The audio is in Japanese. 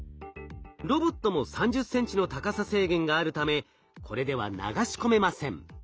ロボットも３０ｃｍの高さ制限があるためこれでは流し込めません。